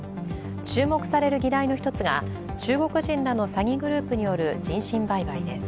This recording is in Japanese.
注目される議題の一つが中国人らの詐欺グループによる人身売買です。